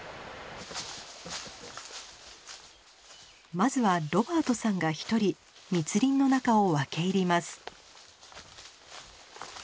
まずはロバートさんが一人密林の中を分け入ります。